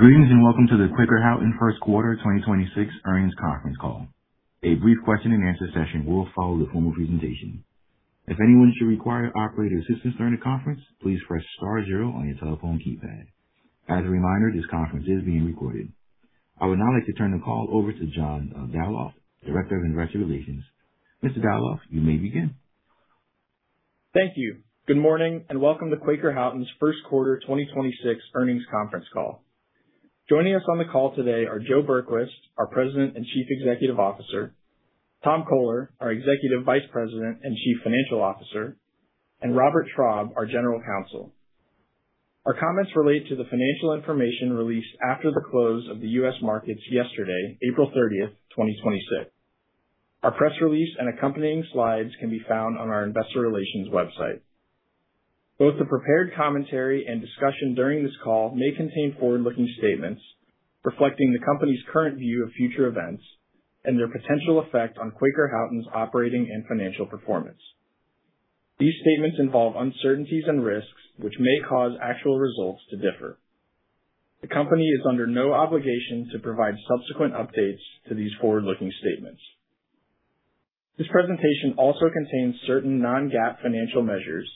Greetings, and welcome to the Quaker Houghton Q1 2026 Earnings Conference Call. A brief question-and-answer session will follow the formal presentation. If anyone should require operator assistance during the conference, please press star zero on your telephone keypad. As a reminder, this conference is being recorded. I would now like to turn the call over to John Dalhoff, Director of Investor Relations. Mr. Dalhoff, you may begin. Thank you. Good morning, and welcome to Quaker Houghton's Q1 2026 Earnings Conference Call. Joining us on the call today are Joe Berquist, our President and Chief Executive Officer; Tom Coler, our Executive Vice President and Chief Financial Officer; and Robert T. Traub, our General Counsel. Our comments relate to the financial information released after the close of the U.S. markets yesterday, April 30, 2026. Our press release and accompanying slides can be found on our investor relations website. Both the prepared commentary and discussion during this call may contain forward-looking statements reflecting the company's current view of future events and their potential effect on Quaker Houghton's operating and financial performance. These statements involve uncertainties and risks which may cause actual results to differ. The company is under no obligation to provide subsequent updates to these forward-looking statements. This presentation also contains certain non-GAAP financial measures,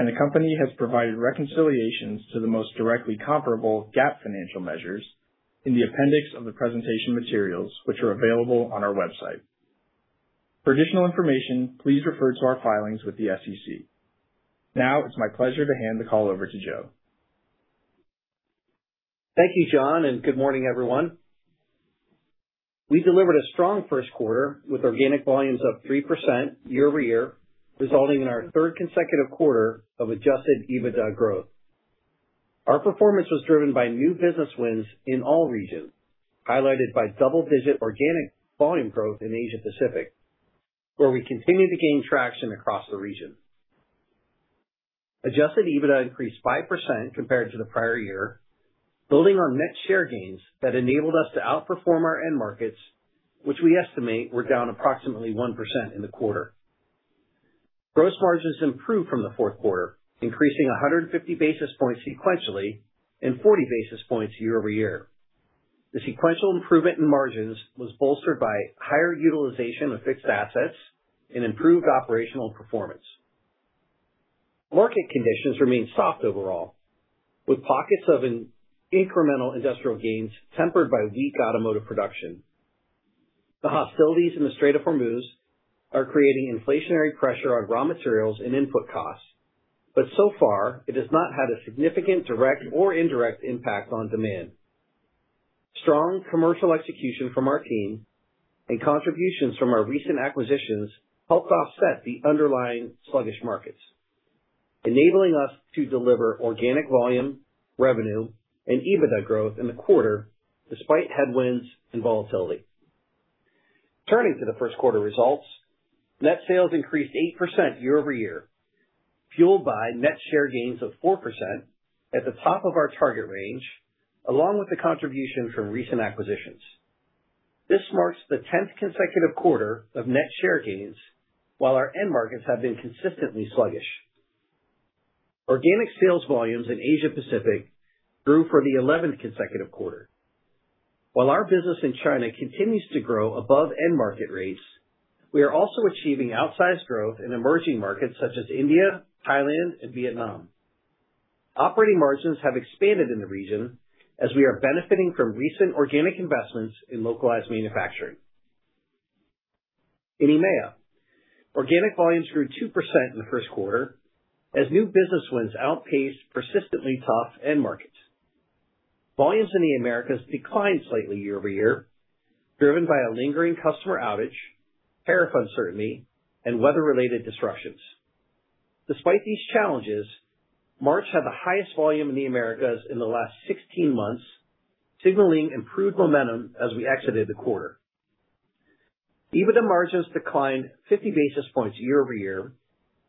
and the company has provided reconciliations to the most directly comparable GAAP financial measures in the appendix of the presentation materials, which are available on our website. For additional information, please refer to our filings with the SEC. Now it's my pleasure to hand the call over to Joe. Thank you, John, and good morning, everyone. We delivered a strong Q1 with organic volumes up 3% year-over-year, resulting in our third consecutive quarter of adjusted EBITDA growth. Our performance was driven by new business wins in all regions, highlighted by double-digit organic volume growth in Asia Pacific, where we continue to gain traction across the region. Adjusted EBITDA increased 5% compared to the prior year, building on net share gains that enabled us to outperform our end markets, which we estimate were down approximately 1% in the quarter. Gross margins improved from the fourth quarter, increasing 150 basis points sequentially and 40 basis points year-over-year. The sequential improvement in margins was bolstered by higher utilization of fixed assets and improved operational performance. Market conditions remained soft overall, with pockets of incremental industrial gains tempered by weak automotive production. The hostilities in the Strait of Hormuz are creating inflationary pressure on raw materials and input costs, but so far it has not had a significant direct or indirect impact on demand. Strong commercial execution from our team and contributions from our recent acquisitions helped offset the underlying sluggish markets, enabling us to deliver organic volume, revenue, and EBITDA growth in the quarter despite headwinds and volatility. Turning to the Q1 results, net sales increased 8% year-over-year, fueled by net share gains of 4% at the top of our target range, along with the contribution from recent acquisitions. This marks the 10th consecutive quarter of net share gains while our end markets have been consistently sluggish. Organic sales volumes in Asia Pacific grew for the 11th consecutive quarter. While our business in China continues to grow above end market rates, we are also achieving outsized growth in emerging markets such as India, Thailand, and Vietnam. Operating margins have expanded in the region as we are benefiting from recent organic investments in localized manufacturing. In EMEA, organic volumes grew 2% in the Q1 as new business wins outpaced persistently tough end markets. Volumes in the Americas declined slightly year-over-year, driven by a lingering customer outage, tariff uncertainty, and weather-related disruptions. Despite these challenges, March had the highest volume in the Americas in the last 16 months, signaling improved momentum as we exited the quarter. EBITDA margins declined 50 basis points year-over-year,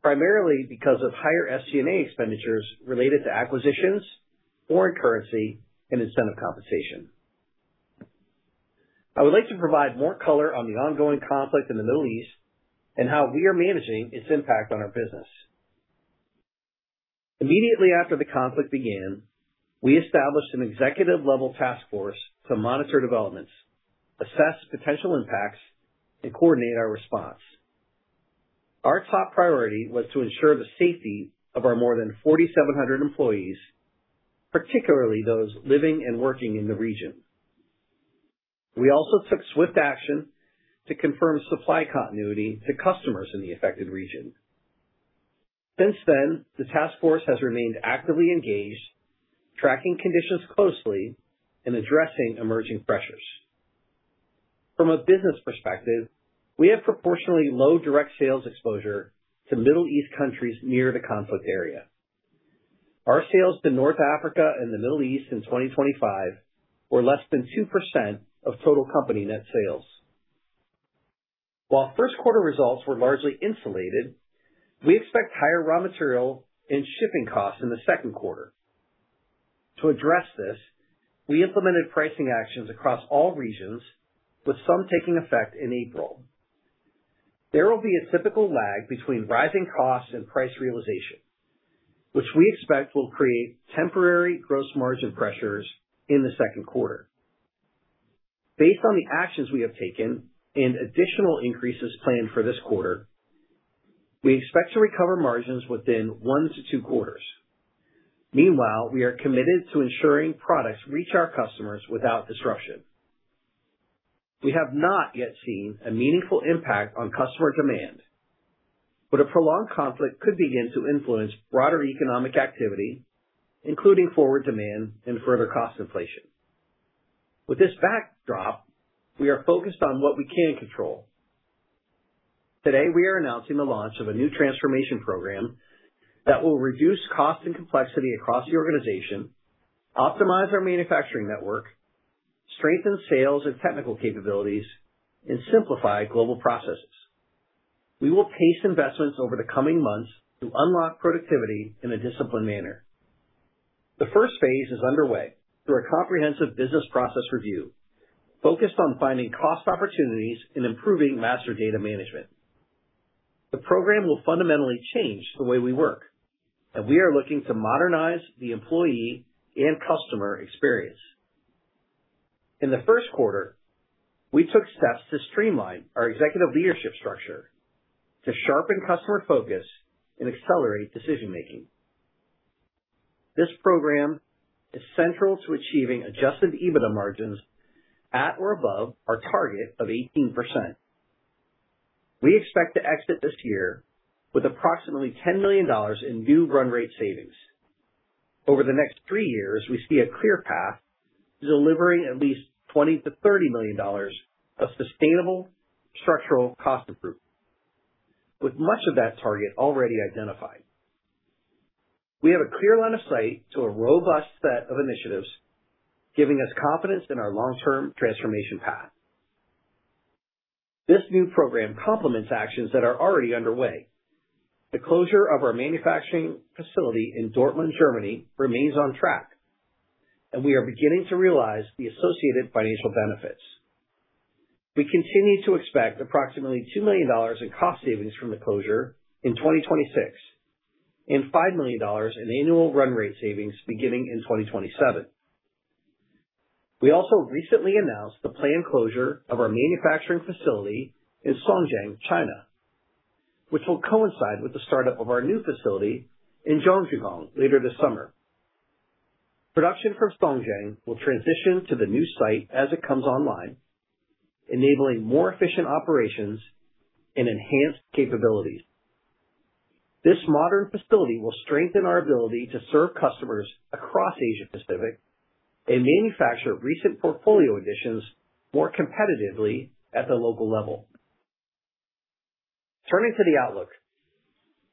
primarily because of higher SG&A expenditures related to acquisitions, foreign currency, and incentive compensation. I would like to provide more color on the ongoing conflict in the Middle East and how we are managing its impact on our business. Immediately after the conflict began, we established an executive-level task force to monitor developments, assess potential impacts, and coordinate our response. Our top priority was to ensure the safety of our more than 4,700 employees, particularly those living and working in the region. We also took swift action to confirm supply continuity to customers in the affected region. Since then, the task force has remained actively engaged, tracking conditions closely and addressing emerging pressures. From a business perspective, we have proportionally low direct sales exposure to Middle East countries near the conflict area. Our sales to North Africa and the Middle East in 2025 were less than 2% of total company net sales. While Q1 results were largely insulated, we expect higher raw material and shipping costs in the Q2. To address this, we implemented pricing actions across all regions, with some taking effect in April. There will be a typical lag between rising costs and price realization, which we expect will create temporary gross margin pressures in the Q2. Based on the actions we have taken and additional increases planned for this quarter, we expect to recover margins within 1-2 quarters. Meanwhile, we are committed to ensuring products reach our customers without disruption. We have not yet seen a meaningful impact on customer demand, but a prolonged conflict could begin to influence broader economic activity, including forward demand and further cost inflation. With this backdrop, we are focused on what we can control. Today, we are announcing the launch of a new transformation program that will reduce cost and complexity across the organization, optimize our manufacturing network, strengthen sales and technical capabilities, and simplify global processes. We will pace investments over the coming months to unlock productivity in a disciplined manner. The first phase is underway through a comprehensive business process review focused on finding cost opportunities and improving master data management. The program will fundamentally change the way we work, and we are looking to modernize the employee and customer experience. In the Q1, we took steps to streamline our executive leadership structure to sharpen customer focus and accelerate decision-making. This program is central to achieving adjusted EBITDA margins at or above our target of 18%. We expect to exit this year with approximately $10 million in new run rate savings. Over the next 3 years, we see a clear path to delivering at least $20 million-$30 million of sustainable structural cost improvement, with much of that target already identified. We have a clear line of sight to a robust set of initiatives, giving us confidence in our long-term transformation path. This new program complements actions that are already underway. The closure of our manufacturing facility in Dortmund, Germany, remains on track, and we are beginning to realize the associated financial benefits. We continue to expect approximately $2 million in cost savings from the closure in 2026 and $5 million in annual run rate savings beginning in 2027. We also recently announced the planned closure of our manufacturing facility in Songjiang, China, which will coincide with the startup of our new facility in Zhangjiagang later this summer. Production from Songjiang will transition to the new site as it comes online, enabling more efficient operations and enhanced capabilities. This modern facility will strengthen our ability to serve customers across Asia-Pacific and manufacture recent portfolio additions more competitively at the local level. Turning to the outlook.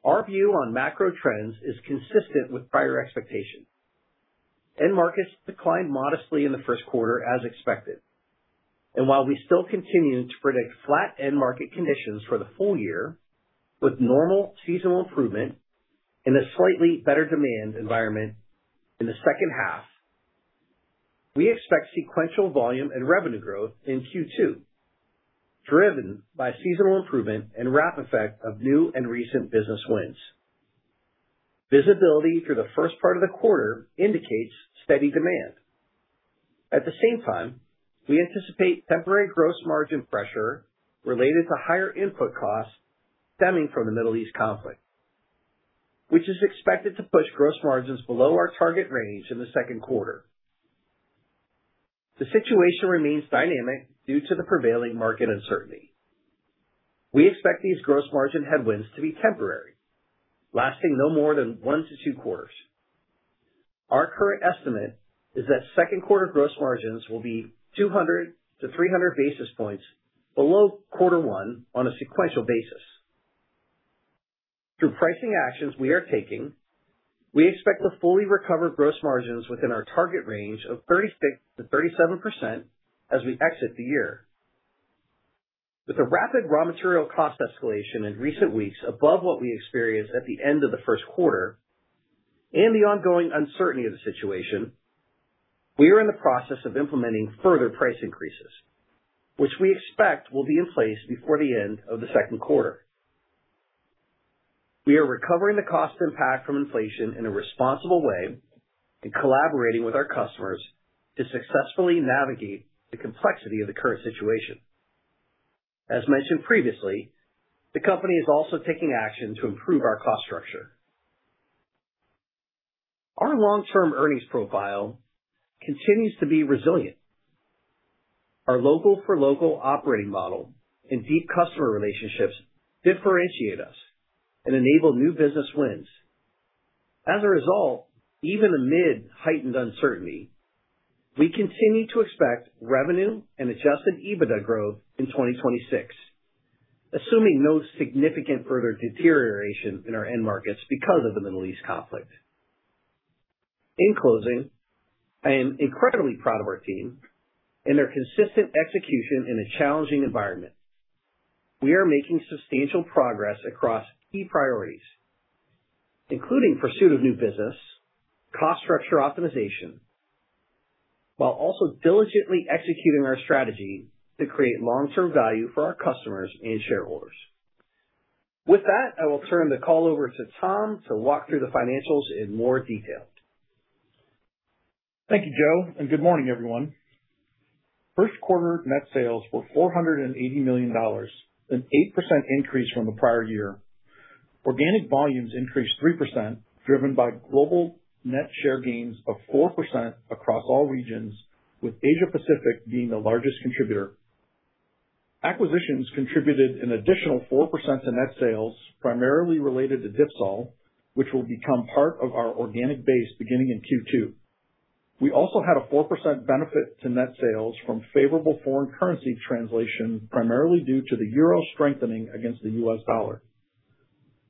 Our view on macro trends is consistent with prior expectations. End markets declined modestly in the Q1 as expected. While we still continue to predict flat end market conditions for the full year with normal seasonal improvement and a slightly better demand environment in the second half, we expect sequential volume and revenue growth in Q2, driven by seasonal improvement and wrap effect of new and recent business wins. Visibility through the first part of the quarter indicates steady demand. At the same time, we anticipate temporary gross margin pressure related to higher input costs stemming from the Middle East conflict, which is expected to push gross margins below our target range in the Q2. The situation remains dynamic due to the prevailing market uncertainty. We expect these gross margin headwinds to be temporary, lasting no more than 1-2 quarters. Our current estimate is that Q2 gross margins will be 200-300 basis points below quarter 1 on a sequential basis. Through pricing actions we are taking, we expect to fully recover gross margins within our target range of 36%-37% as we exit the year. With the rapid raw material cost escalation in recent weeks above what we experienced at the end of the Q1 and the ongoing uncertainty of the situation, we are in the process of implementing further price increases, which we expect will be in place before the end of the Q2. We are recovering the cost impact from inflation in a responsible way and collaborating with our customers to successfully navigate the complexity of the current situation. As mentioned previously, the company is also taking action to improve our cost structure. Our long-term earnings profile continues to be resilient. Our local-for-local operating model and deep customer relationships differentiate us and enable new business wins. As a result, even amid heightened uncertainty, we continue to expect revenue and adjusted EBITDA growth in 2026, assuming no significant further deterioration in our end markets because of the Middle East conflict. In closing, I am incredibly proud of our team and their consistent execution in a challenging environment. We are making substantial progress across key priorities, including pursuit of new business, cost structure optimization while also diligently executing our strategy to create long-term value for our customers and shareholders. With that, I will turn the call over to Tom to walk through the financials in more detail. Thank you, Joe, and good morning, everyone. Q1 net sales were $480 million, an 8% increase from the prior year. Organic volumes increased 3%, driven by global net share gains of 4% across all regions, with Asia Pacific being the largest contributor. Acquisitions contributed an additional 4% to net sales, primarily related to Dipsol, which will become part of our organic base beginning in Q2. We also had a 4% benefit to net sales from favorable foreign currency translation, primarily due to the euro strengthening against the US dollar.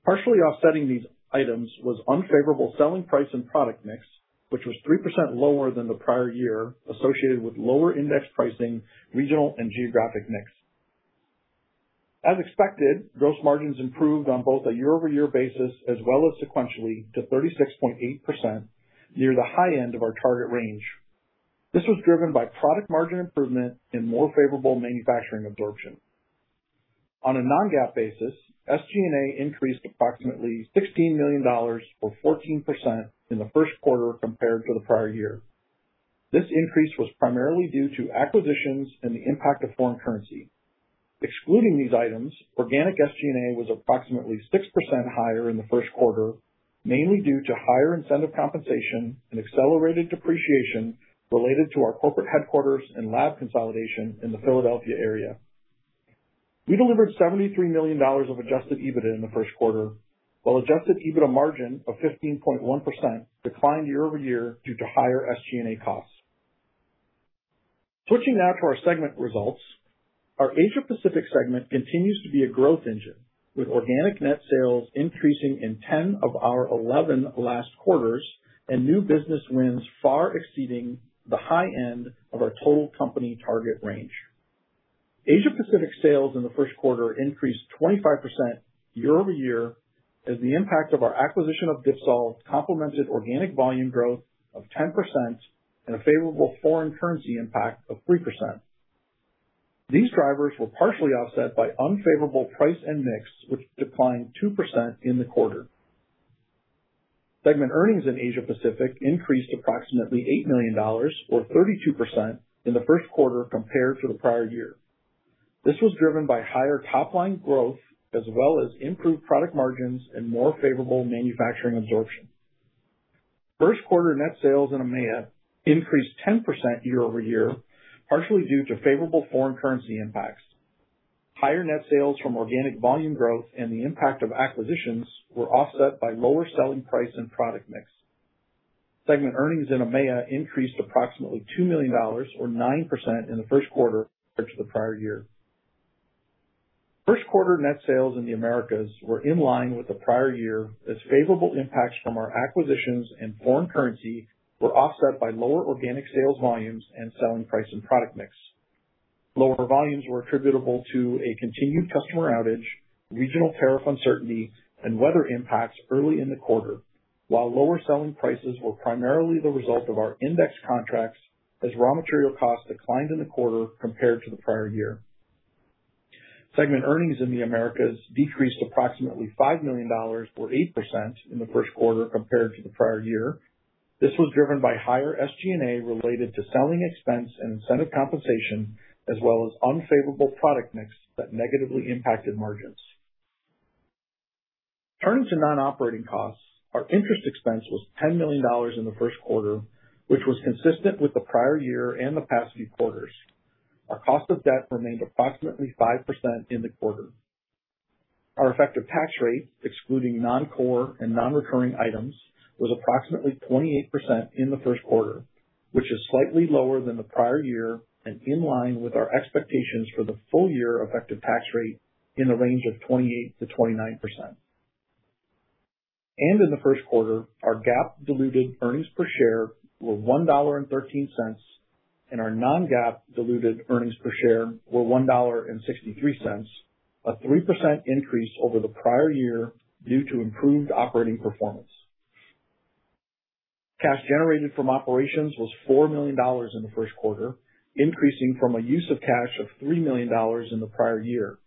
Partially offsetting these items was unfavorable selling price and product mix, which was 3% lower than the prior year, associated with lower index pricing, regional and geographic mix. As expected, gross margins improved on both a year-over-year basis as well as sequentially to 36.8%, near the high end of our target range. This was driven by product margin improvement and more favorable manufacturing absorption. On a non-GAAP basis, SG&A increased approximately $16 million or 14% in the Q1 compared to the prior year. This increase was primarily due to acquisitions and the impact of foreign currency. Excluding these items, organic SG&A was approximately 6% higher in the Q1, mainly due to higher incentive compensation and accelerated depreciation related to our corporate headquarters and lab consolidation in the Philadelphia area. We delivered $73 million of adjusted EBITDA in the Q1, while adjusted EBITDA margin of 15.1% declined year-over-year due to higher SG&A costs. Switching now to our segment results. Our Asia Pacific segment continues to be a growth engine, with organic net sales increasing in 10 of our 11 last quarters and new business wins far exceeding the high end of our total company target range. Asia Pacific sales in the Q1 increased 25% year-over-year as the impact of our acquisition of Dipsol complemented organic volume growth of 10% and a favorable foreign currency impact of 3%. These drivers were partially offset by unfavorable price and mix, which declined 2% in the quarter. Segment earnings in Asia Pacific increased approximately $8 million or 32% in the Q1 compared to the prior year. This was driven by higher top-line growth as well as improved product margins and more favorable manufacturing absorption. Q1 net sales in EMEA increased 10% year-over-year, partially due to favorable foreign currency impacts. Higher net sales from organic volume growth and the impact of acquisitions were offset by lower selling price and product mix. Segment earnings in EMEA increased approximately $2 million or 9% in the Q1 compared to the prior year. Q1 net sales in the Americas were in line with the prior year as favorable impacts from our acquisitions and foreign currency were offset by lower organic sales volumes and selling price and product mix. Lower volumes were attributable to a continued customer outage, regional tariff uncertainty, and weather impacts early in the quarter, while lower selling prices were primarily the result of our index contracts as raw material costs declined in the quarter compared to the prior year. Segment earnings in the Americas decreased approximately $5 million or 8% in the Q1 compared to the prior year. This was driven by higher SG&A related to selling expense and incentive compensation, as well as unfavorable product mix that negatively impacted margins. Turning to non-operating costs. Our interest expense was $10 million in the Q1, which was consistent with the prior year and the past few quarters. Our cost of debt remained approximately 5% in the quarter. Our effective tax rate, excluding non-core and non-recurring items, was approximately 28% in the Q1, which is slightly lower than the prior year and in line with our expectations for the full year effective tax rate in the range of 28%-29%. In the Q1, our GAAP diluted earnings per share were $1.13, and our non-GAAP diluted earnings per share were $1.63, a 3% increase over the prior year due to improved operating performance. Cash generated from operations was $4 million in the Q1, increasing from a use of cash of $3 million in the prior year.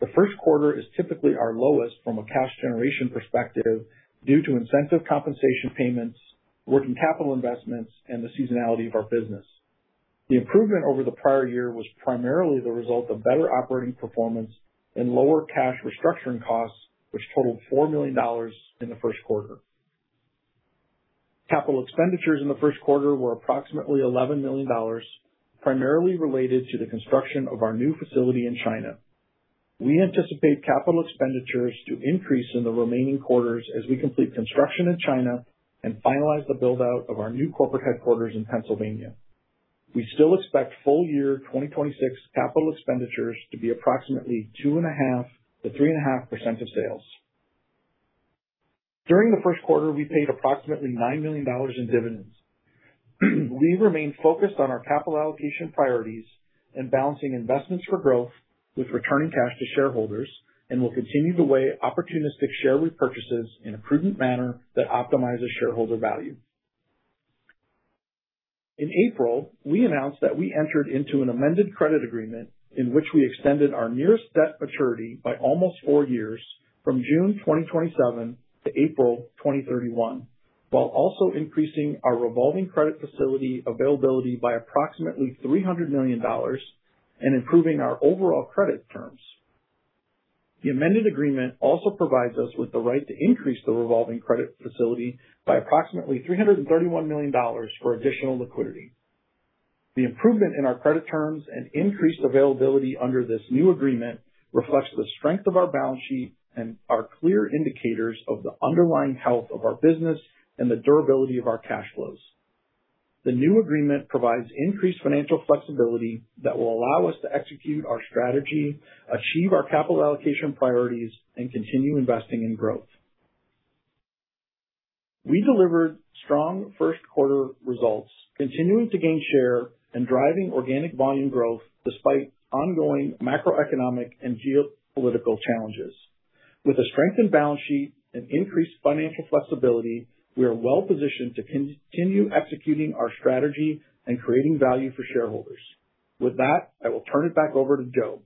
The Q1 is typically our lowest from a cash generation perspective due to incentive compensation payments, working capital investments, and the seasonality of our business. The improvement over the prior year was primarily the result of better operating performance and lower cash restructuring costs, which totaled $4 million in the Q1. Capital expenditures in the Q1 were approximately $11 million, primarily related to the construction of our new facility in China. We anticipate capital expenditures to increase in the remaining quarters as we complete construction in China and finalize the build-out of our new corporate headquarters in Pennsylvania. We still expect full year 2026 capital expenditures to be approximately 2.5%-3.5% of sales. During the 1st quarter, we paid approximately $9 million in dividends. We remain focused on our capital allocation priorities. Balancing investments for growth with returning cash to shareholders and will continue to weigh opportunistic share repurchases in a prudent manner that optimizes shareholder value. In April, we announced that we entered into an amended credit agreement in which we extended our nearest debt maturity by almost 4 years from June 2027 to April 2031, while also increasing our revolving credit facility availability by approximately $300 million and improving our overall credit terms. The amended agreement also provides us with the right to increase the revolving credit facility by approximately $331 million for additional liquidity. The improvement in our credit terms and increased availability under this new agreement reflects the strength of our balance sheet and are clear indicators of the underlying health of our business and the durability of our cash flows. The new agreement provides increased financial flexibility that will allow us to execute our strategy, achieve our capital allocation priorities, and continue investing in growth. We delivered strong Q1 results, continuing to gain share and driving organic volume growth despite ongoing macroeconomic and geopolitical challenges. With a strengthened balance sheet and increased financial flexibility, we are well positioned to continue executing our strategy and creating value for shareholders. With that, I will turn it back over to Joe.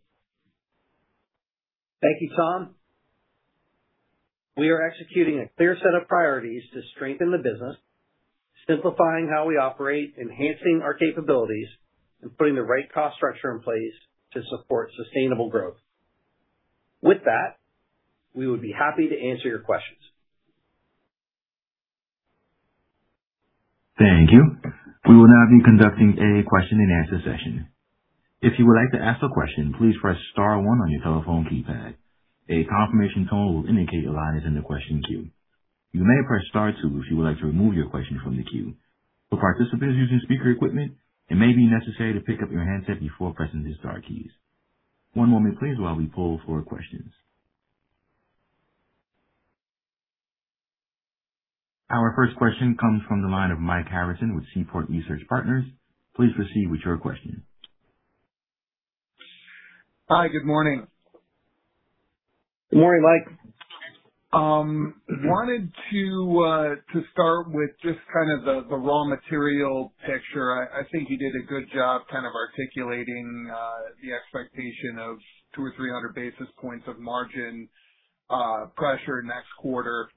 Thank you, Tom. We are executing a clear set of priorities to strengthen the business, simplifying how we operate, enhancing our capabilities, and putting the right cost structure in place to support sustainable growth. With that, we would be happy to answer your questions. Thank you. We will now be conducting a question and answer session. If you would like to ask a question, please press star 1 on your telephone keypad. A confirmation tone will indicate your line is in the question queue. You may press star 2 if you would like to remove your question from the queue. For participants using speaker equipment, it may be necessary to pick up your handset before pressing the star keys. One moment please while we poll for questions. Our first question comes from the line of Mike Harrison with Seaport Research Partners. Please proceed with your question. Hi. Good morning. Good morning, Mike. Wanted to start with just kind of the raw material picture. I think you did a good job kind of articulating the expectation of 2-300 basis points of margin pressure next quarter.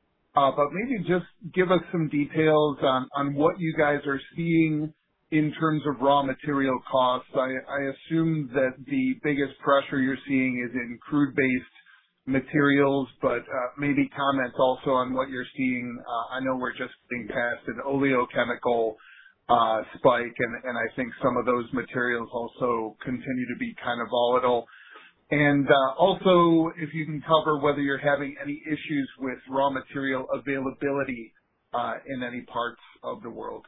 Maybe just give us some details on what you guys are seeing in terms of raw material costs. I assume that the biggest pressure you're seeing is in crude based materials, maybe comment also on what you're seeing. I know we're just being past an oleochemical spike, I think some of those materials also continue to be kind of volatile. Also if you can cover whether you're having any issues with raw material availability in any parts of the world.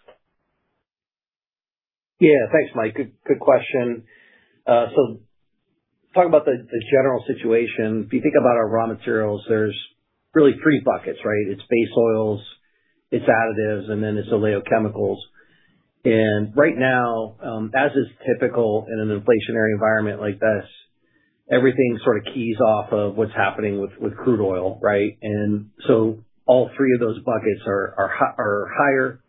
Yeah. Thanks, Mike. Good question. Talk about the general situation. If you think about our raw materials, there is really three buckets, right? It is base oils, it is additives, and then it is oleochemicals. Right now, as is typical in an inflationary environment like this, everything sort of keys off of what is happening with crude oil, right? All three of those buckets are higher.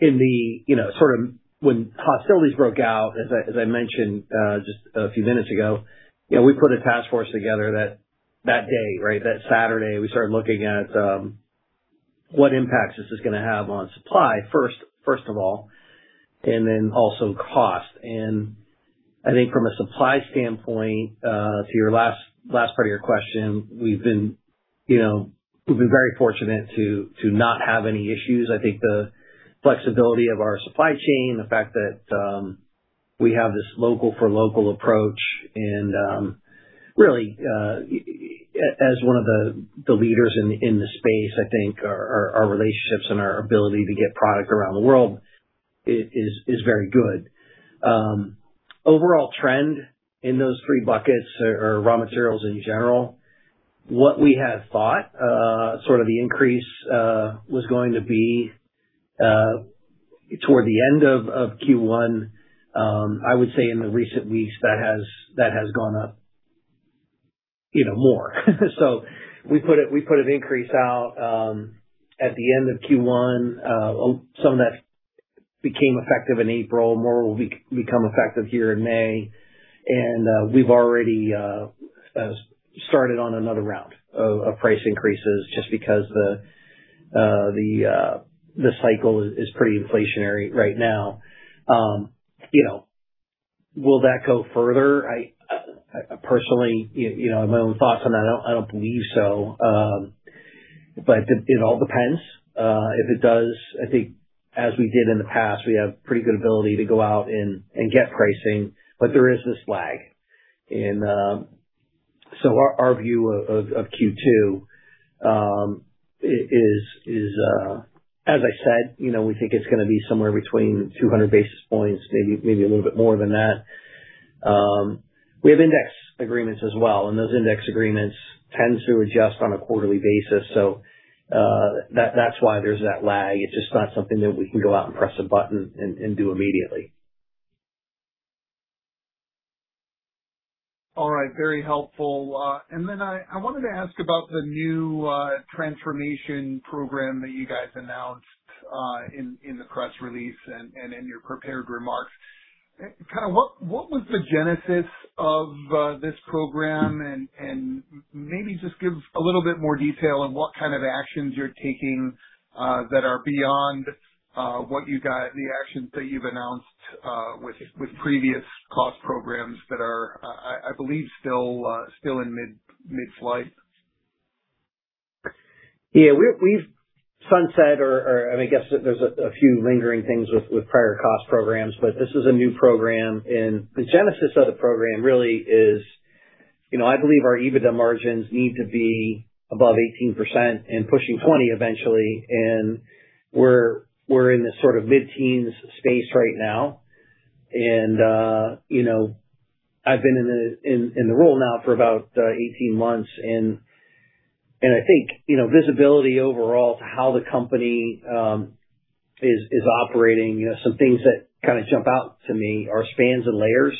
In the, you know, sort of when hostilities broke out, as I mentioned, just a few minutes ago, you know, we put a task force together that day, right? That Saturday, we started looking at what impacts this is going to have on supply first of all, and then also cost. I think from a supply standpoint, to your last part of your question, we've been, you know, we've been very fortunate to not have any issues. I think the flexibility of our supply chain, the fact that, we have this local for local approach and, really, as one of the leaders in the space, I think our relationships and our ability to get product around the world is very good. Overall trend in those three buckets or raw materials in general, what we had thought, sort of the increase, was going to be, toward the end of Q1, I would say in the recent weeks that has gone up, you know, more. We put an increase out at the end of Q1. Some of that became effective in April. More will become effective here in May. We've already started on another round of price increases just because the cycle is pretty inflationary right now. You know, will that go further? I personally, you know, in my own thoughts on that, I don't believe so. But it all depends. If it does, I think as we did in the past, we have pretty good ability to go out and get pricing, but there is this lag. So our view of, of Q2, is, as I said, you know, we think it's gonna be somewhere between 200 basis points, maybe a little bit more than that. We have index agreements as well, and those index agreements tend to adjust on a quarterly basis. That, that's why there's that lag. It's just not something that we can go out and press a button and do immediately. All right. Very helpful. I wanted to ask about the new transformation program that you guys announced in the press release and in your prepared remarks. Kind of what was the genesis of this program? Maybe just give a little bit more detail on what kind of actions you're taking that are beyond the actions that you've announced with previous cost programs that are, I believe, still in mid-flight. Yeah. We've sunset or I mean, I guess there's a few lingering things with prior cost programs, but this is a new program. The genesis of the program really is, you know, I believe our EBITDA margins need to be above 18% and pushing 20% eventually. We're in this sort of mid-teens space right now. You know, I've been in the role now for about 18 months and I think, you know, visibility overall to how the company is operating. You know, some things that kind jump out to me are spans and layers.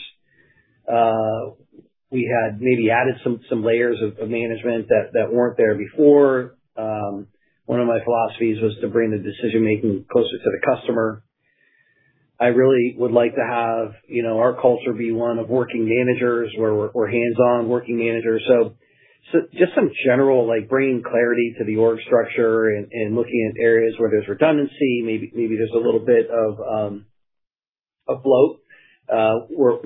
We had maybe added some layers of management that weren't there before. One of my philosophies was to bring the decision-making closer to the customer. I really would like to have, you know, our culture be one of working managers where we're hands-on working managers. Just some general, like, bringing clarity to the org structure and looking at areas where there's redundancy, maybe there's a little bit of bloat.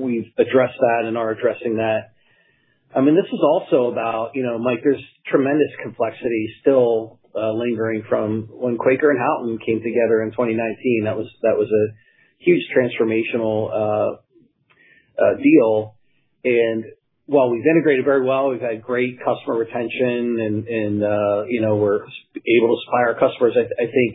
We've addressed that and are addressing that. I mean, this is also about, you know, Mike, there's tremendous complexity still lingering from when Quaker and Houghton came together in 2019. That was a huge transformational deal. While we've integrated very well, we've had great customer retention and, you know, we're able to supply our customers, I think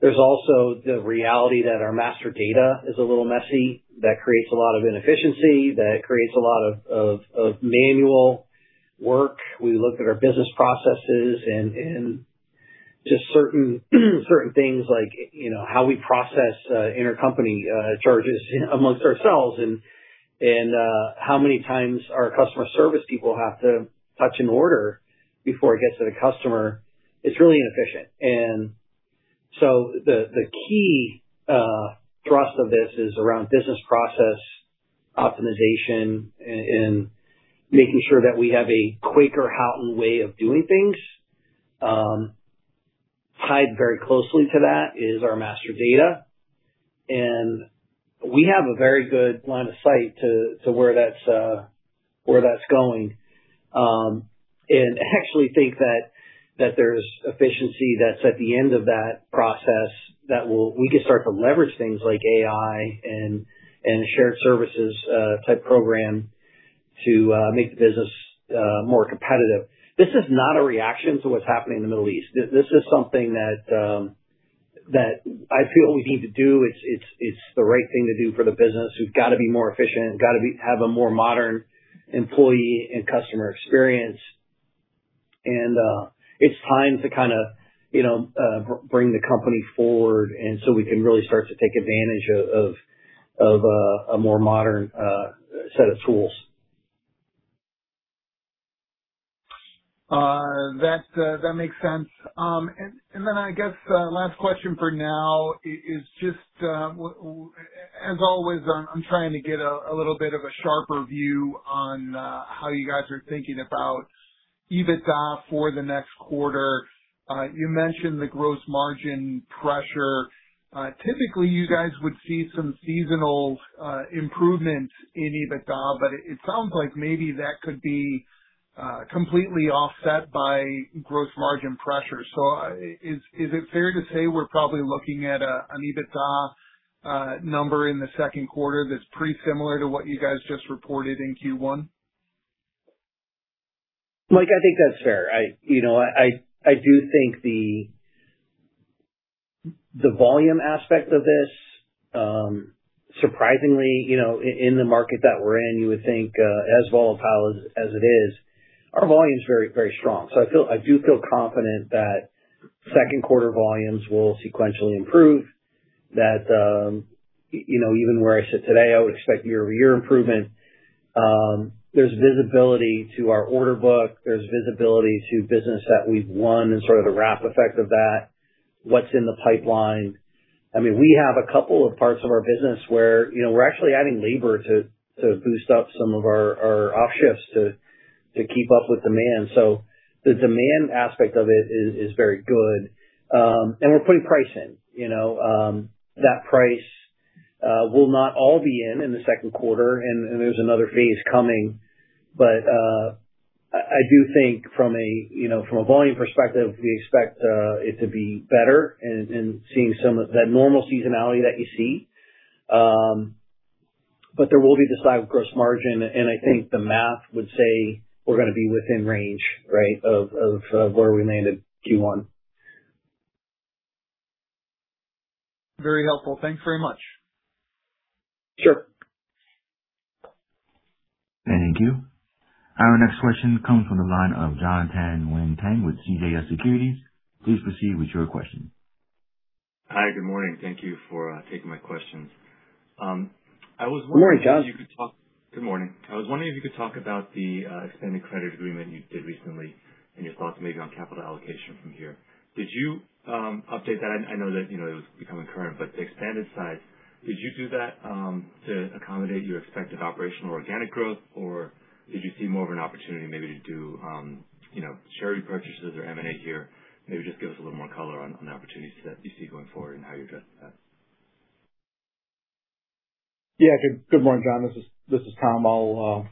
there's also the reality that our master data is a little messy. That creates a lot of inefficiency. That creates a lot of manual work. We looked at our business processes and just certain things like, you know, how we process intercompany charges amongst ourselves and how many times our customer service people have to touch an order before it gets to the customer. It's really inefficient. The key thrust of this is around business process optimization and making sure that we have a Quaker Houghton way of doing things. Tied very closely to that is our master data, and we have a very good line of sight to where that's where that's going. I actually think that there's efficiency that's at the end of that process that we can start to leverage things like AI and shared services type program to make the business more competitive. This is not a reaction to what's happening in the Middle East. This is something that I feel we need to do. It's the right thing to do for the business. We've gotta be more efficient. We've gotta have a more modern employee and customer experience. It's time to kinda, you know, bring the company forward we can really start to take advantage of a more modern set of tools. That makes sense. Then I guess, last question for now is just, as always, I'm trying to get a little bit of a sharper view on how you guys are thinking about EBITDA for the next quarter. You mentioned the gross margin pressure. Typically, you guys would see some seasonal improvements in EBITDA, but it sounds like maybe that could be completely offset by gross margin pressure. Is it fair to say we're probably looking at an EBITDA number in the Q2 that's pretty similar to what you guys just reported in Q1? Mike, I think that's fair. I, you know, I do think the volume aspect of this, surprisingly, you know, in the market that we're in, you would think, as volatile as it is, our volume is very strong. I do feel confident that Q2 volumes will sequentially improve. That, you know, even where I sit today, I would expect year-over-year improvement. There's visibility to our order book. There's visibility to business that we've won and sort of the wrap effect of that, what's in the pipeline. I mean, we have a couple of parts of our business where, you know, we're actually adding labor to boost up some of our off shifts to keep up with demand. The demand aspect of it is very good. We're putting price in. You know, that price will not all be in the Q2 and there's another phase coming. I do think from a, you know, from a volume perspective, we expect it to be better and seeing some of that normal seasonality that you see. There will be decide with gross margin, and I think the math would say we're gonna be within range, right, of where we landed Q1. Very helpful. Thanks very much. Sure. Thank you. Our next question comes from the line of Jonathan Tanwanteng with CJS Securities. Please proceed with your question. Hi. Good morning. Thank you for taking my questions. Good morning, John. Good morning. I was wondering if you could talk about the extended credit agreement you did recently and your thoughts maybe on capital allocation from here. Did you update that? I know that, you know, it was becoming current, but the expanded side, did you do that to accommodate your expected operational organic growth, or did you see more of an opportunity maybe to do, you know, share repurchases or M&A here? Maybe just give us a little more color on the opportunities that you see going forward and how you address that. Good morning, John. This is Tom. I'll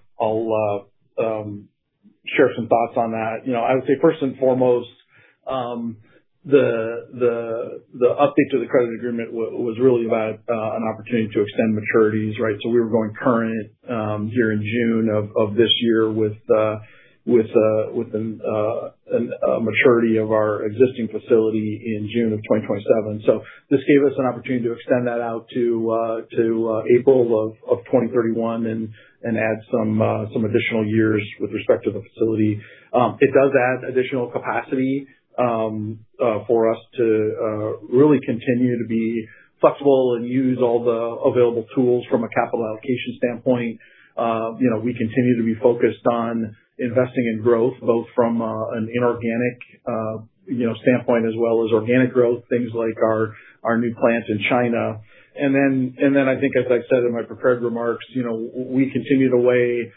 share some thoughts on that. You know, I would say first and foremost, the update to the credit agreement was really about an opportunity to extend maturities, right? We were going current during June of this year with a maturity of our existing facility in June of 2027. This gave us an opportunity to extend that out to April of 2031 and add some additional years with respect to the facility. It does add additional capacity for us to really continue to be flexible and use all the available tools from a capital allocation standpoint. You know, we continue to be focused on investing in growth, both from an inorganic, you know, standpoint as well as organic growth, things like our new plant in China. I think as I said in my prepared remarks, you know, we continue to weigh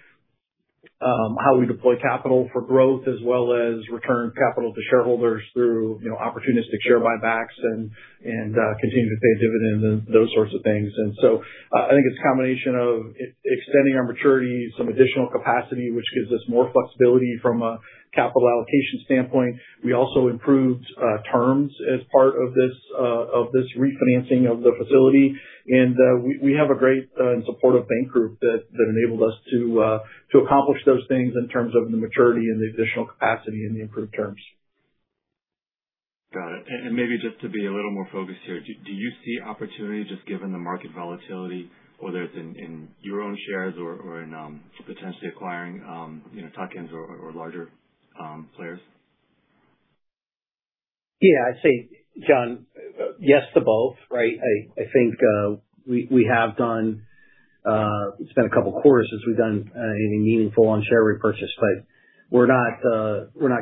how we deploy capital for growth as well as return capital to shareholders through, you know, opportunistic share buybacks and continue to pay dividends and those sorts of things. I think it's a combination of extending our maturities, some additional capacity, which gives us more flexibility from a capital allocation standpoint. We also improved terms as part of this refinancing of the facility. We have a great and supportive bank group that enabled us to accomplish those things in terms of the maturity and the additional capacity and the improved terms. Got it. Maybe just to be a little more focused here, do you see opportunity just given the market volatility, whether it's in your own shares or in potentially acquiring, you know, tuck-ins or larger players? Yeah. I'd say, John, yes to both, right? I think we have done, it's been a couple of quarters since we've done anything meaningful on share repurchase, but we're not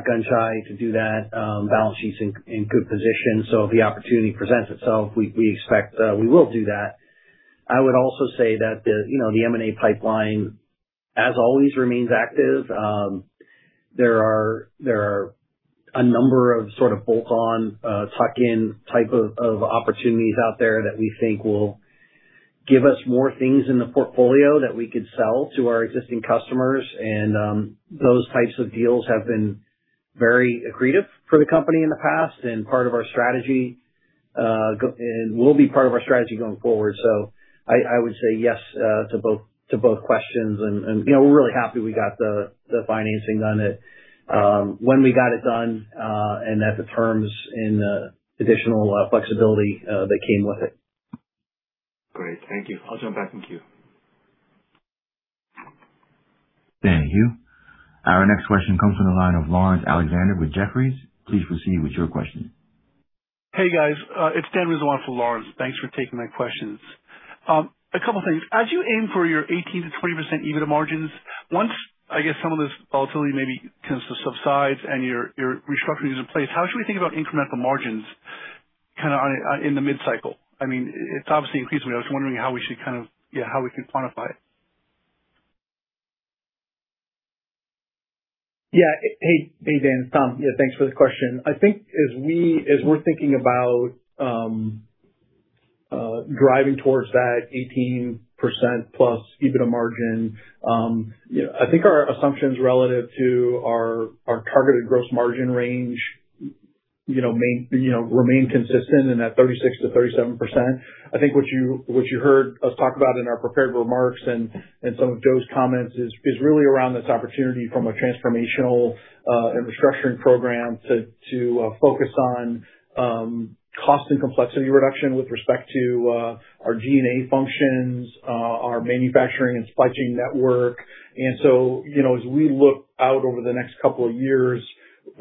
gun shy to do that. Balance sheet's in good position, so if the opportunity presents itself, we expect we will do that. I would also say that you know, the M&A pipeline, as always, remains active. There are a number of sort of bolt-on, tuck-in type of opportunities out there that we think will give us more things in the portfolio that we could sell to our existing customers. Those types of deals have been very accretive for the company in the past and part of our strategy and will be part of our strategy going forward. I would say yes to both questions. You know, we're really happy we got the financing done at when we got it done and at the terms and additional flexibility that came with it. Great. Thank you. I'll jump back in queue. Thank you. Our next question comes from the line of Laurence Alexander with Jefferies. Please proceed with your question. Hey, guys. it's Dan Rizzo for Laurence. Thanks for taking my questions. A couple of things. As you aim for your 18% to 20% EBITDA margins, once, I guess, some of this volatility maybe tends to subside and your restructuring is in place, how should we think about incremental margins kind of on a in the mid-cycle? I mean, it's obviously increasing. I was wondering how we should kind of how we can quantify it. Hey, Dan. Tom. Thanks for the question. I think as we're thinking about driving towards that 18% plus EBITDA margin, you know, I think our assumptions relative to our targeted gross margin range, you know, remain consistent in that 36%-37%. I think what you heard us talk about in our prepared remarks and some of Joe's comments is really around this opportunity from a transformational and restructuring program to focus on cost and complexity reduction with respect to our G&A functions, our manufacturing and supply chain network. You know, as we look out over the next couple of years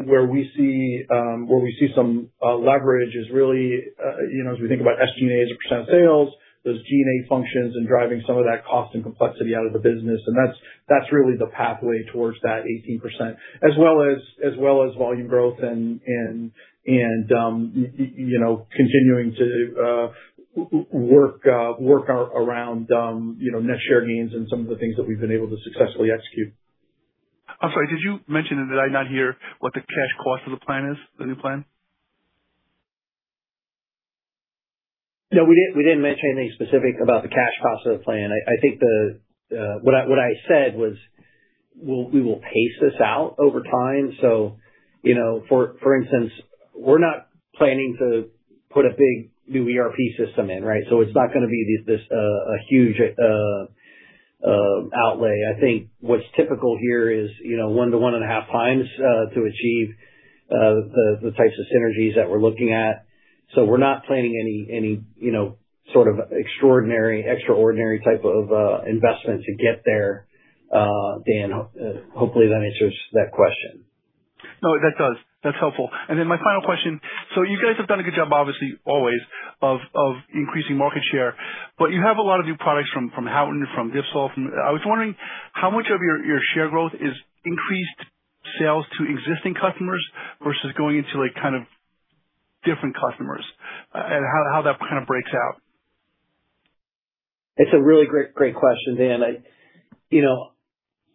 where we see, where we see some leverage is really, you know, as we think about SG&A as a percent of sales, those G&A functions and driving some of that cost and complexity out of the business. That's really the pathway towards that 18% as well as volume growth and you know, continuing to work around, you know, net share gains and some of the things that we've been able to successfully execute. I'm sorry, did you mention, and did I not hear what the cash cost of the plan is, the new plan? No, we didn't mention anything specific about the cash cost of the plan. I think what I said was we will pace this out over time. You know, for instance, we're not planning to put a big new ERP system in, right? It's not gonna be this a huge outlay. I think what's typical here is, you know, 1 to 1.5 times to achieve the types of synergies that we're looking at. We're not planning any, you know, sort of extraordinary type of investment to get there. Dan, hopefully that answers that question. No, that does. That's helpful. My final question. You guys have done a good job, obviously, always of increasing market share, but you have a lot of new products from Houghton, from Dipsol. I was wondering how much of your share growth is increased sales to existing customers versus going into, like, kind of different customers, and how that kind of breaks out. It's a really great question, Dan. You know,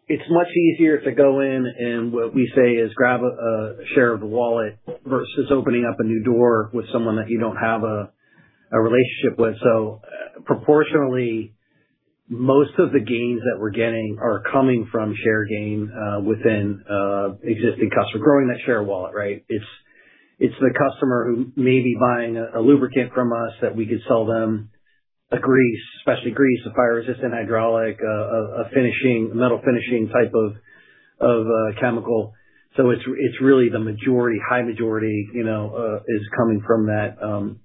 it's much easier to go in and what we say is grab a share of the wallet versus opening up a new door with someone that you don't have a relationship with. Proportionally, most of the gains that we're getting are coming from share gain within existing customer. Growing that share wallet, right? It's the customer who may be buying a lubricant from us that we could sell them a grease, specialty grease, a fire-resistant hydraulic, a metal finishing type of chemical. It's really the majority, high majority, you know, is coming from that,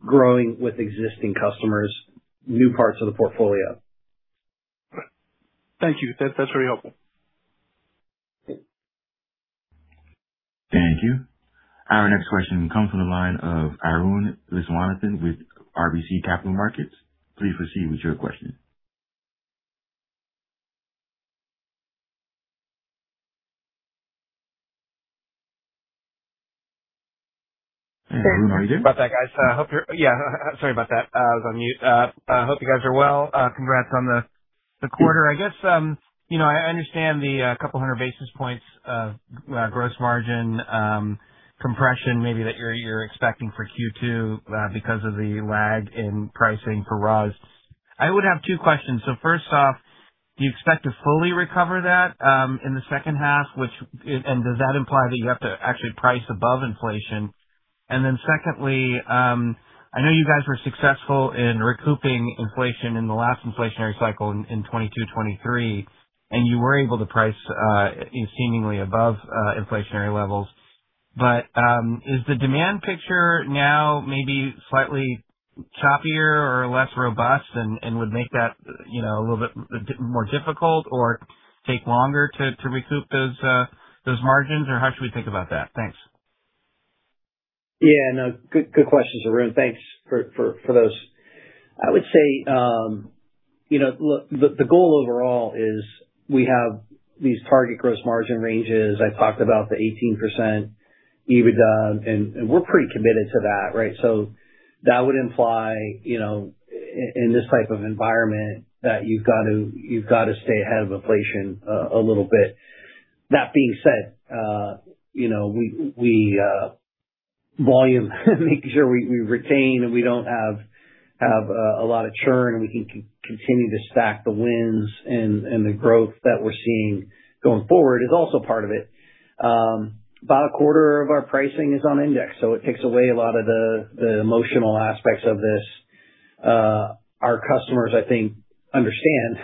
growing with existing customers, new parts of the portfolio. Thank you. That's very helpful. Thank you. Our next question comes from the line of Arun Viswanathan with RBC Capital Markets. Please proceed with your question. Arun, are you there? Sorry about that, guys. I hope you're. Yeah. Sorry about that. I was on mute. I hope you guys are well. Congrats on the quarter. I guess, you know, I understand the 200 basis points of gross margin compression maybe that you're expecting for Q2 because of the lag in pricing for rows. I would have 2 questions. First off, do you expect to fully recover that in the second half? Does that imply that you have to actually price above inflation? Secondly, I know you guys were successful in recouping inflation in the last inflationary cycle in '22, '23, and you were able to price seemingly above inflationary levels. Is the demand picture now maybe slightly choppier or less robust and would make that, you know, a little bit more difficult or take longer to recoup those margins, or how should we think about that? Thanks. Yeah. No. Good questions, Arun. Thanks for those. I would say, you know, look, the goal overall is we have these target gross margin ranges. I talked about the 18% EBITDA, and we're pretty committed to that, right? That would imply, you know, in this type of environment that you've got to stay ahead of inflation a little bit. That being said, you know, we volume making sure we retain and we don't have a lot of churn, and we can continue to stack the wins and the growth that we're seeing going forward is also part of it. About a quarter of our pricing is on index, so it takes away a lot of the emotional aspects of this. Our customers, I think, understand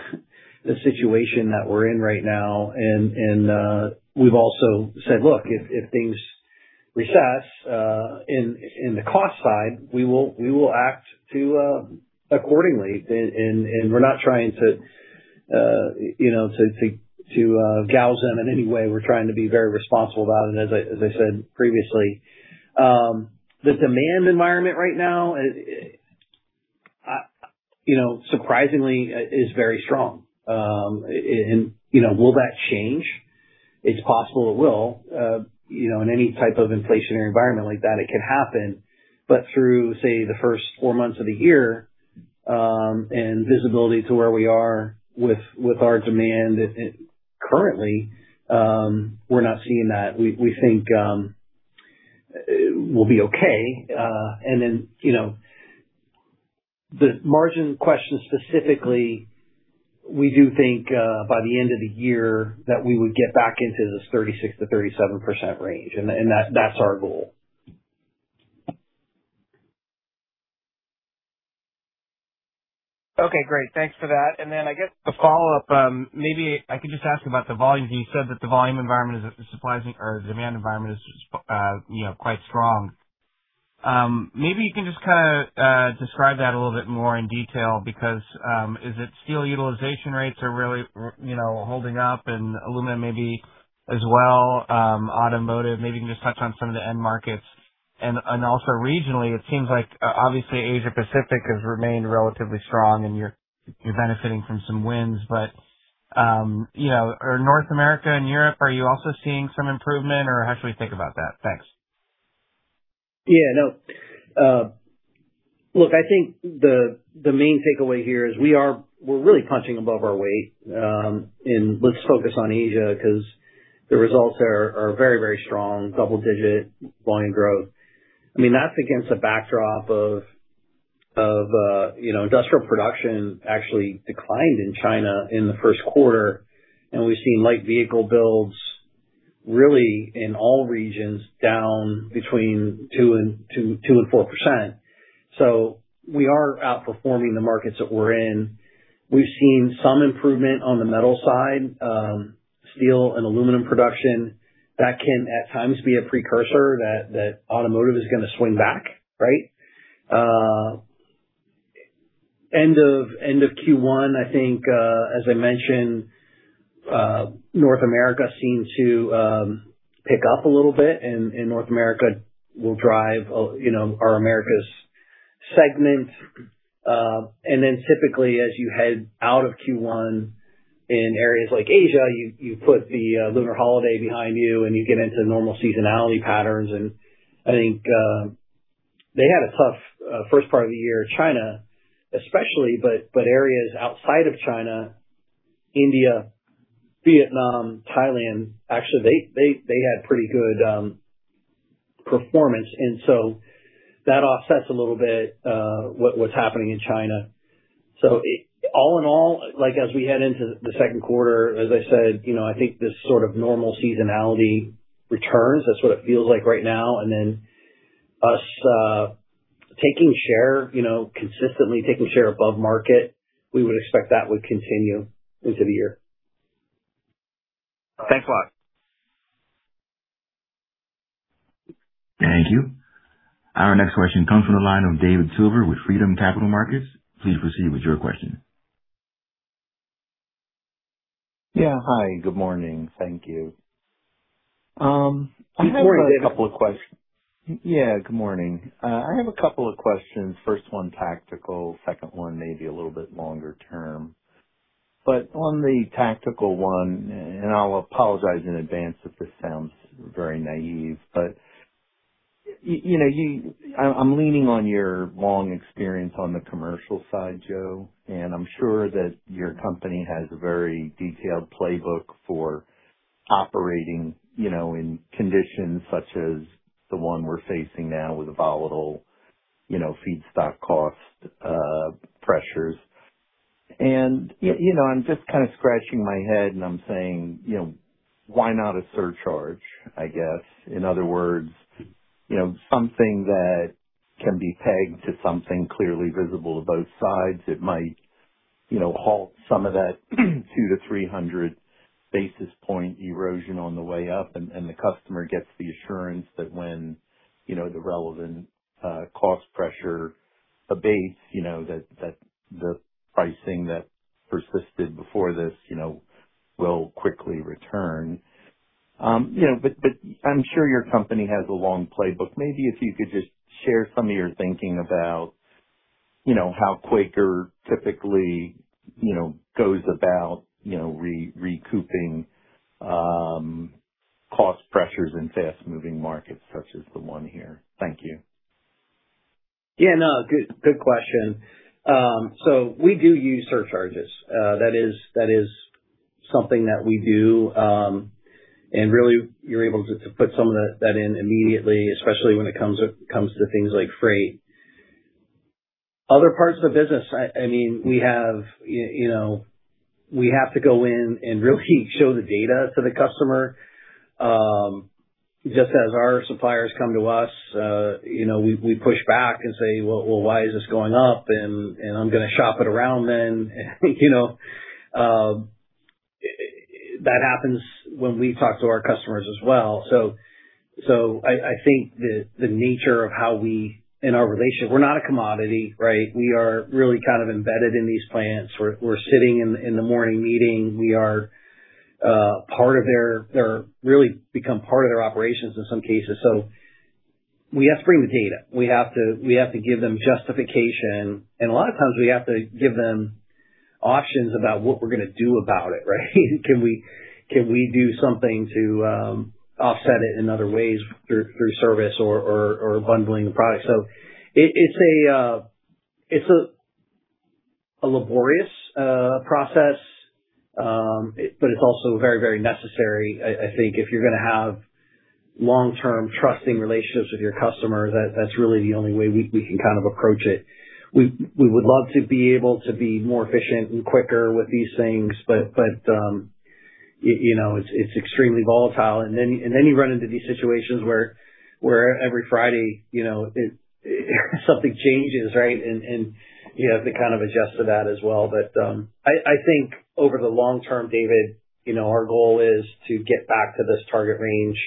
the situation that we're in right now, and we've also said, look, if things recess in the cost side, we will act accordingly. We're not trying to, you know, gouge them in any way. We're trying to be very responsible about it, as I said previously. The demand environment right now, you know, surprisingly, is very strong. You know, will that change? It's possible it will. You know, in any type of inflationary environment like that it can happen. Through, say, the first 4 months of the year, and visibility to where we are with our demand currently, we're not seeing that. We think we'll be okay. You know, the margin question specifically, we do think by the end of the year that we would get back into this 36%-37% range. That, that's our goal. Okay. Great. Thanks for that. I guess a follow-up, maybe I could just ask about the volume. You said that the volume environment is surprising or demand environment is, you know, quite strong. Maybe you can just kind of describe that a little bit more in detail because, is it steel utilization rates are really, you know, holding up and aluminum maybe as well, automotive, maybe you can just touch on some of the end markets. Also regionally, it seems like obviously Asia Pacific has remained relatively strong and you're benefiting from some wins, but, you know, are North America and Europe, are you also seeing some improvement or how should we think about that? Thanks. Yeah. No. I think the main takeaway here is we're really punching above our weight. Let's focus on Asia because the results are very, very strong, double-digit volume growth. I mean, that's against a backdrop of, you know, industrial production actually declined in China in the Q1, and we've seen light vehicle builds in all regions down between 2 and 4%. We are outperforming the markets that we're in. We've seen some improvement on the metal side, steel and aluminum production. That can at times be a precursor that automotive is gonna swing back, right? End of Q1, I think, as I mentioned, North America seemed to pick up a little bit, and North America will drive, you know, our Americas segment. Then typically, as you head out of Q1 in areas like Asia, you put the Lunar holiday behind you get into normal seasonality patterns. I think they had a tough first part of the year, China especially, but areas outside of China, India, Vietnam, Thailand, actually, they had pretty good performance, that offsets a little bit what's happening in China. All in all, like, as we head into the Q2, as I said, you know, I think this sort of normal seasonality returns. That's what it feels like right now. Then us taking share, you know, consistently taking share above market, we would expect that would continue into the year. Thanks a lot. Thank you. Our next question comes from the line of David Silver with Freedom Capital Markets. Please proceed with your question. Yeah. Hi. Good morning. Thank you. I have a couple of questions. Good morning, David. Yeah. Good morning. I have a couple of questions. First one tactical, second one maybe a little bit longer term. On the tactical one, and I'll apologize in advance if this sounds very naive, but you know, I'm leaning on your long experience on the commercial side, Joe, and I'm sure that your company has a very detailed playbook for operating, you know, in conditions such as the one we're facing now with the volatile, you know, feedstock cost pressures. You know, I'm just kind of scratching my head and I'm saying, you know, why not a surcharge, I guess. In other words, you know, something that can be pegged to something clearly visible to both sides. It might, you know, halt some of that 200 to 300 basis point erosion on the way up. The customer gets the assurance that when, you know, the relevant cost pressure abates, you know, that the pricing that persisted before this, you know, will quickly return. I'm sure your company has a long playbook. Maybe if you could just share some of your thinking about, you know, how Quaker typically, you know, goes about, you know, re-recouping cost pressures in fast-moving markets such as the one here. Thank you. Yeah. No. Good question. We do use surcharges. That is something that we do. Really, you're able to put some of that in immediately, especially when it comes to things like freight. Other parts of the business, I mean, we have, you know, we have to go in and really show the data to the customer. Just as our suppliers come to us, you know, we push back and say, "Well, why is this going up? And I'm gonna shop it around then." You know, that happens when we talk to our customers as well. I think the nature of how we in our relationship, we're not a commodity, right? We are really kind of embedded in these plants. We're sitting in the morning meeting. We are part of their really become part of their operations in some cases. We have to bring the data. We have to give them justification, and a lot of times we have to give them options about what we're gonna do about it, right? Can we do something to offset it in other ways through service or bundling the product? It's a laborious process, but it's also very necessary. I think if you're gonna have long-term trusting relationships with your customer, that's really the only way we can kind of approach it. We would love to be able to be more efficient and Quaker with these things, but you know, it's extremely volatile. And then you run into these situations where every Friday, you know, something changes, right? And you have to kind of adjust to that as well. But I think over the long term, David, you know, our goal is to get back to this target range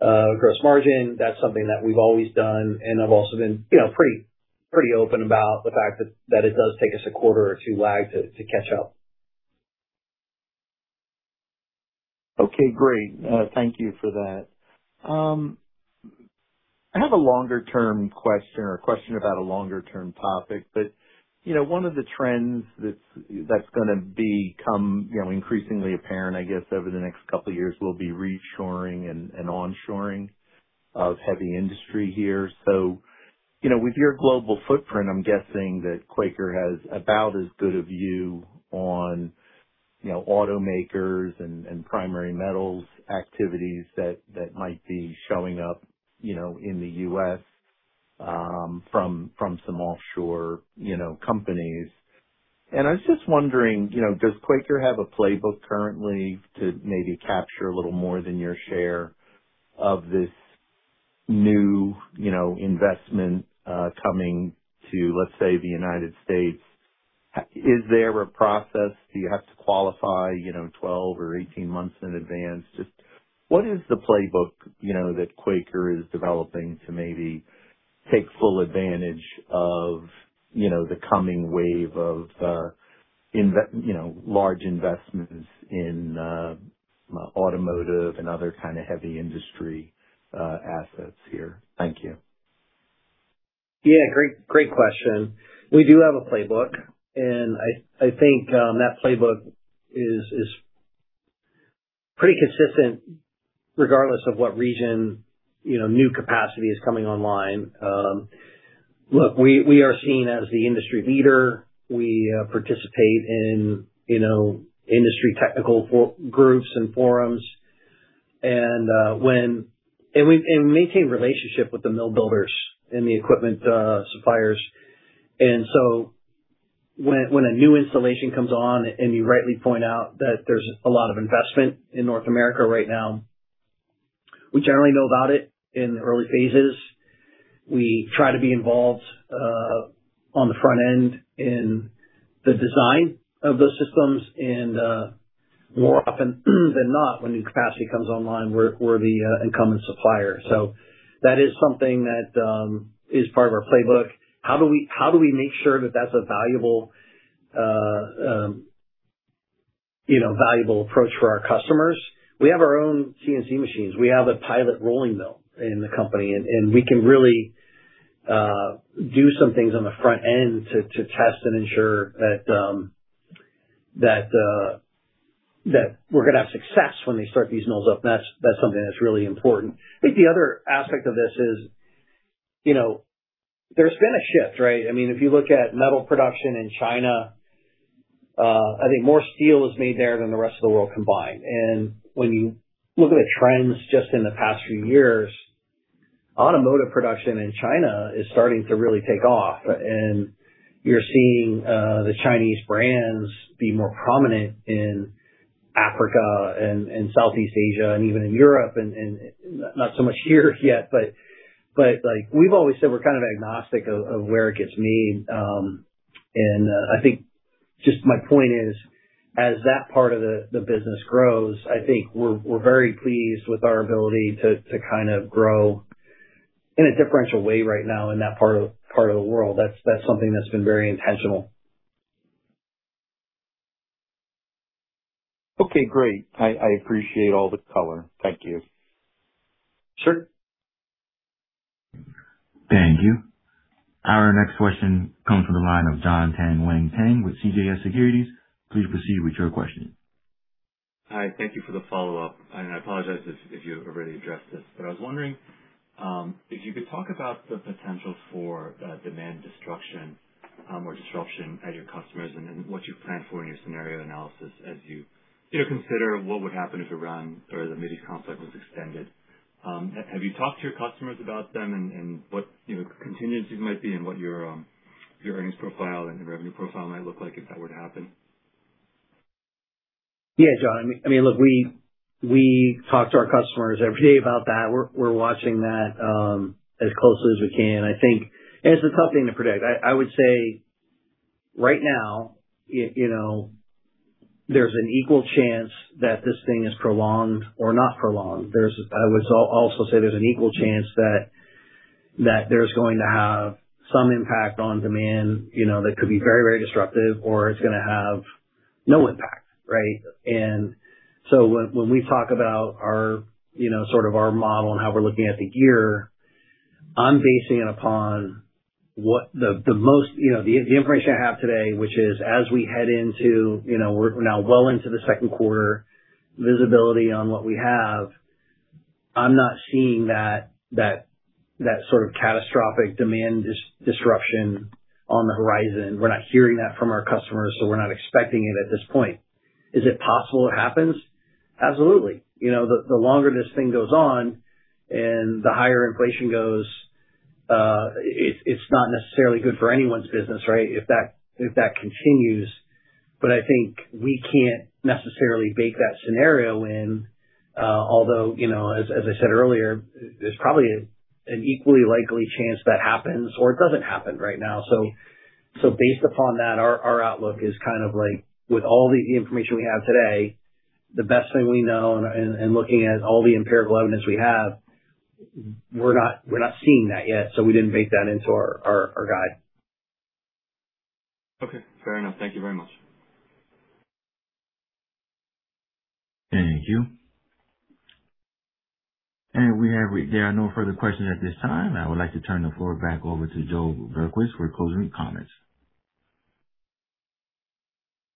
gross margin. That's something that we've always done, and I've also been, you know, pretty open about the fact that it does take us a quarter or two lag to catch up. Okay, great. Thank you for that. I have a longer-term question or a question about a longer-term topic. You know, one of the trends that's gonna become, you know, increasingly apparent, I guess, over the next couple of years will be reshoring and onshoring of heavy industry here. You know, with your global footprint, I'm guessing that Quaker Houghton has about as good a view on, you know, automakers and primary metals activities that might be showing up, you know, in the U.S. from some offshore, you know, companies. I was just wondering, you know, does Quaker Houghton have a playbook currently to maybe capture a little more than your share of this new, you know, investment coming to, let's say, the United States? Is there a process? Do you have to qualify, you know, 12 or 18 months in advance? Just what is the playbook, you know, that Quaker is developing to maybe take full advantage of, you know the coming wave, large investments in automotive and other kind of heavy industry assets here? Thank you. Yeah, great question. We do have a playbook, and I think, that playbook is pretty consistent regardless of what region, you know, new capacity is coming online. Look, we are seen as the industry leader. We participate in, you know, industry technical groups and forums. We maintain relationship with the mill builders and the equipment suppliers. When a new installation comes on, and you rightly point out that there's a lot of investment in North America right now, we generally know about it in the early phases. We try to be involved on the front end in the design of those systems. More often than not, when new capacity comes online, we're the incumbent supplier. That is something that is part of our playbook. How do we make sure that that's a valuable, you know, valuable approach for our customers? We have our own CNC machines. We have a pilot rolling mill in the company, and we can really do some things on the front end to test and ensure that we're going to have success when they start these mills up. That's something that's really important. I think the other aspect of this is, you know, there's been a shift, right? I mean, if you look at metal production in China, I think more steel is made there than the rest of the world combined. When you look at the trends just in the past few years, automotive production in China is starting to really take off. You're seeing the Chinese brands be more prominent in Africa and Southeast Asia and even in Europe and not so much here yet, but like we've always said, we're kind of agnostic of where it gets made. I think just my point is, as that part of the business grows, I think we're very pleased with our ability to kind of grow in a differential way right now in that part of the world. That's something that's been very intentional. Okay, great. I appreciate all the color. Thank you. Sure. Thank you. Our next question comes from the line of Jonathan Tanwanteng with CJS Securities. Hi. Thank you for the follow-up. I apologize if you've already addressed this, but I was wondering if you could talk about the potential for demand destruction or disruption at your customers and what you plan for in your scenario analysis as you know, consider what would happen if Iran or the Mideast conflict was extended. Have you talked to your customers about them and what, you know, contingencies might be and what your earnings profile and your revenue profile might look like if that were to happen? Yeah, John. I mean, look, we talk to our customers every day about that. We're watching that as closely as we can. I think it's a tough thing to predict. I would say right now, you know, there's an equal chance that this thing is prolonged or not prolonged. I would also say there's an equal chance that there's going to have some impact on demand, you know, that could be very, very disruptive or it's gonna have no impact, right? When we talk about our, you know, sort of our model and how we're looking at the year, I'm basing it upon what the most, you know, the information I have today, which is as we head into, you know, we're now well into the Q2 visibility on what we have. I'm not seeing that sort of catastrophic demand disruption on the horizon. We're not hearing that from our customers. We're not expecting it at this point. Is it possible it happens? Absolutely. You know, the longer this thing goes on and the higher inflation goes, it's not necessarily good for anyone's business, right? If that continues. I think we can't necessarily bake that scenario in. Although, you know, as I said earlier, there's probably an equally likely chance that happens or it doesn't happen right now. Based upon that, our outlook is kind of like with all the information we have today, the best thing we know and looking at all the empirical evidence we have, we're not seeing that yet. We didn't bake that into our guide. Okay, fair enough. Thank you very much. Thank you. There are no further questions at this time. I would like to turn the floor back over to Joe Berquist for closing comments.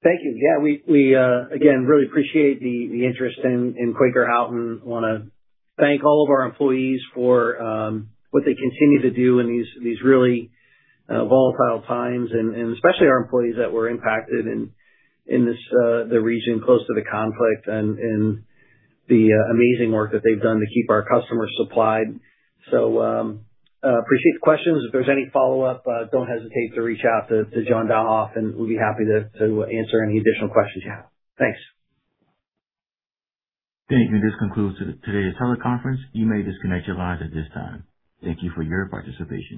Thank you. We again really appreciate the interest in Quaker Houghton. Want to thank all of our employees for what they continue to do in these really volatile times and especially our employees that were impacted in this region close to the conflict and the amazing work that they've done to keep our customers supplied. Appreciate the questions. If there's any follow-up, don't hesitate to reach out to John Dalhoff, and we'll be happy to answer any additional questions you have. Thanks. Thank you. This concludes today's teleconference. You may disconnect your lines at this time. Thank you for your participation.